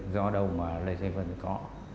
do đâu mà lê vân có